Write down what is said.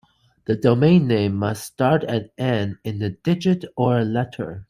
The domain name must start and end in a digit or a letter.